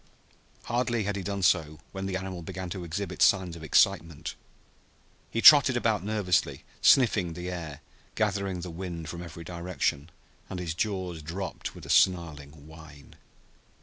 Hardly had he done so when the animal began to exhibit signs of excitement. He trotted about nervously, sniffing the air, gathering the wind from every direction, and his jaws dropped with a snarling whine.